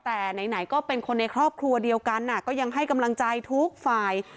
แต่ไหนก็เป็นคนในครอบครัวเดียวกันก็ยังให้กำลังใจทุกฝ่าย